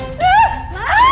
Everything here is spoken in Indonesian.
aku bisa jatuh kena beling itu